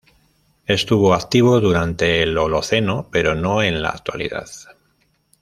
Estuvo activo durante el Holoceno, pero no en la actualidad.